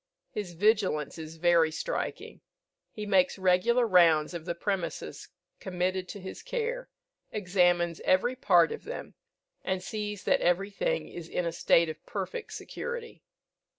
His vigilance is very striking. He makes regular rounds of the premises committed to his care, examines every part of them, and sees that everything is in a state of perfect security.